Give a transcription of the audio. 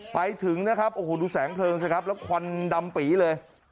ไปถึงนะครับโอ้โหดูแสงเพลิงสิครับแล้วควันดำปีเลย